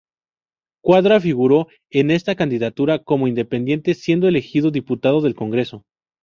Cuadra figuró en esta candidatura como independiente, siendo elegido Diputado del Congreso.